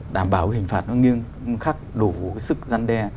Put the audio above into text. đảm bảo hình phạt nó nghiêm khắc đủ cái sức gian đe